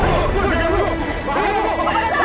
baik terjadi apa yang belum terjadi